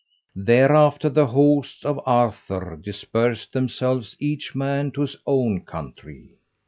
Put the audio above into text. Thereafter the hosts of Arthur dispersed themselves each man to his own country.